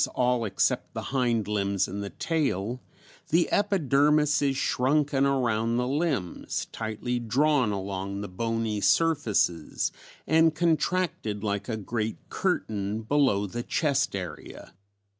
_ all except the hind limbs and the tail), the epidermis is shrunken around the limbs, tightly drawn along the bony surfaces, and contracted like a great curtain below the chest area.